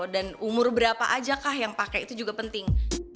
dan umur berapa aja yang pakai itu juga penting